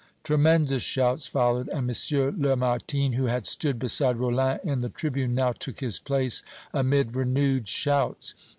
Tremendous shouts followed, and M. Lamartine, who had stood beside Rollin in the tribune, now took his place amid renewed shouts.